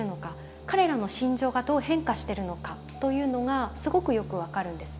彼らの心情がどう変化してるのかというのがすごくよく分かるんですね。